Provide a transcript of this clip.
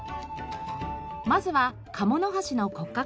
まずはカモノハシの骨格標本から。